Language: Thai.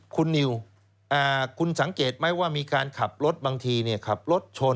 คุณนิวคุณสังเกตไหมว่ามีการขับรถบางทีขับรถชน